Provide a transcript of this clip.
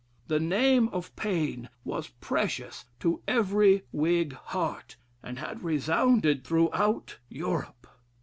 The name of Paine was precious to every Whig heart, and had resounded throughout Europe."